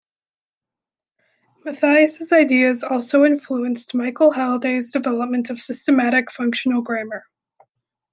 Mathesius's ideas also influenced Michael Halliday's development of systemic functional grammar.